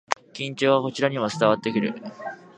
緊張がこちらにも伝わってくる